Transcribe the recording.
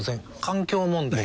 環境問題。